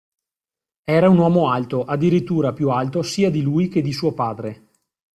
Era un uomo alto, addirittura più alto sia di lui che di suo padre.